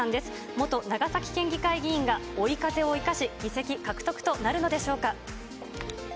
元長崎県議会議員が追い風を生かし、議席獲得となるのでしょうか。